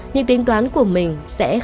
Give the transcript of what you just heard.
những tính toán của mình sẽ khó